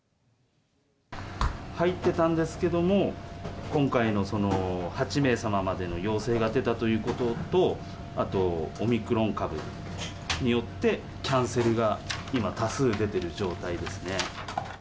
入ってたんですけれども、今回のその８名様までの要請が出たということと、あとオミクロン株によって、キャンセルが今、多数出ている状態ですね。